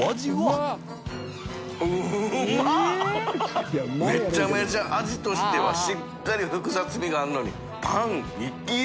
淵船礇鵝めちゃめちゃ味としてはしっかり複雑味があるのに僖生き生き。